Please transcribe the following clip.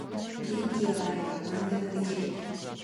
元気があれば何でもできる